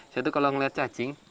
satu kalau ngeliat cacing